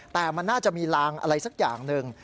แต่มันน่าจะมีลางอะไรสักอย่างหนึ่ง